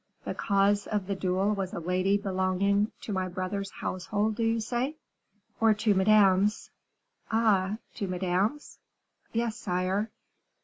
"The cause of the duel was a lady belonging to my brother's household, do you say?" "Or to Madame's." "Ah! to Madame's?" "Yes, sire."